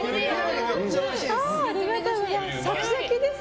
ありがとうございます。